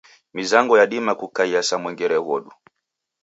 Mizango yadima kukaiya sa mwengere ghodu.